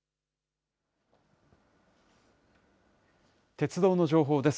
鉄道の情報です。